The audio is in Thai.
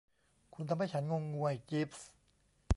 คุณทำให้ฉันงงงวย จี๊ปส์